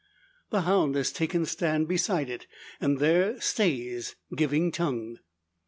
The hound has taken stand beside it; and there stays, giving tongue.